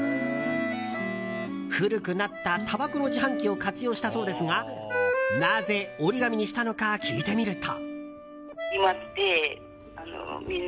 古くなったたばこの自販機を活用したそうですがなぜ折り紙にしたのか聞いてみると。